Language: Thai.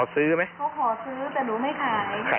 ซื้อไหมเขาขอซื้อแต่หนูไม่ขาย